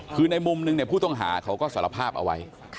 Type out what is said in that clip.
คือในมุมนึงผู้ต้องหาเขาก็สารภาพเอาไว้